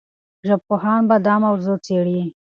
ژبپوهان به دا موضوع څېړي.